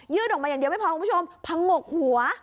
ออกมาอย่างเดียวไม่พอคุณผู้ชมพังงกหัว